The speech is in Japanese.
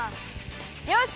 よし！